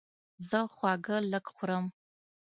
زه خواږه لږ خورم.